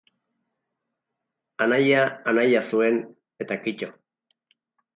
Anaia anaia zuen, eta kitto.